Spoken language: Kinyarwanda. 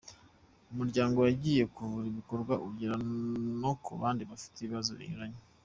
Uyu muryango wagiye wagura ibikorwa ugera no ku bandi bafite ibibazo binyuranye.